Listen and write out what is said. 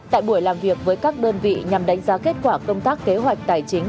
tại buổi làm việc với các đơn vị nhằm đánh giá kết quả công tác kế hoạch tài chính